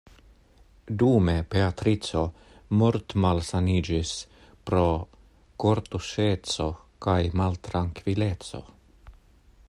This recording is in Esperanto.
Dume Beatrico mortmalsaniĝis pro kortuŝeco kaj maltrankvileco.